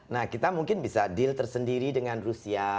nah kita mungkin bisa deal tersendiri dengan rusia